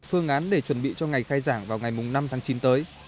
phương án để chuẩn bị cho ngày khai giảng vào ngày năm tháng chín tới